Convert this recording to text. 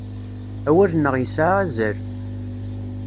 Awal-nneɣ yesɛa azal.